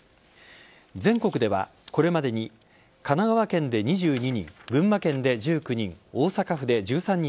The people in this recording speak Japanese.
全国ではこれまでに神奈川県で２２人群馬県で１９人